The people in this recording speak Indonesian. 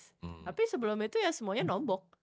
tapi sebelum itu ya semuanya nombok